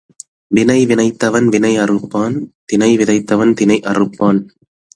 வினை விதைத்தவன் வினை அறுப்பான், தினை வினைத்தவன் தினை அறுப்பான்.